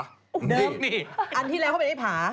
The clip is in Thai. นี่อันที่แล้วเขาเป็นไอ้ผา